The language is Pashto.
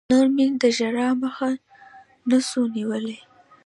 نور مې د ژړا مخه نه سوه نيولى.